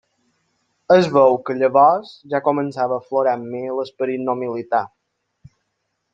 Es veu que llavors ja començava a aflorar en mi l'esperit no militar.